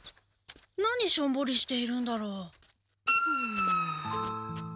何しょんぼりしているんだろう？はあ。